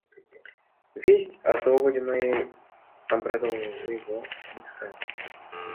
Весть о свободе моей обрадовала его несказанно.